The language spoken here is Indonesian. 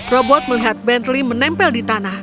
robot melihat bentley menempel di tanah